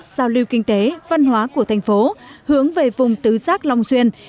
giao lưu kinh tế văn hóa của thành phố hướng về vùng tứ giác long xuyên